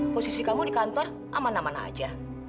posisi kamu di kantor aman aman aja